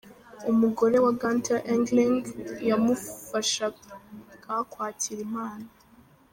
Umugore wa Gunter Engling yamufashaka kwakira impano.